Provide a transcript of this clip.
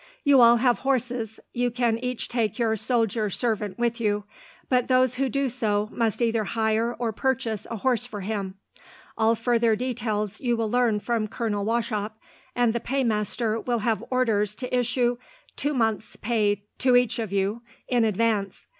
"You all have horses. You can each take your soldier servant with you, but those who do so must either hire or purchase a horse for him. All further details you will learn from Colonel Wauchop, and the paymaster will have orders to issue two months' pay to each of you, in advance.